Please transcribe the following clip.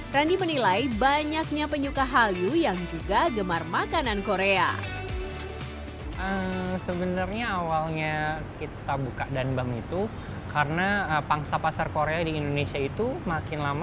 randy menilai banyaknya penyuka hallyu yang juga gemar makanan korea